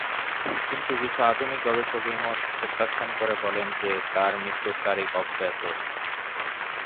কিন্তু কিছু আধুনিক গবেষক এই মত প্রত্যাখ্যান করে বলেন যে তার মৃত্যুর তারিখ অজ্ঞাত।